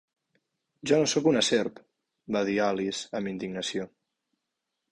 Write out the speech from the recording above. "Jo no sóc una serp!" -va dir Alice amb indignació.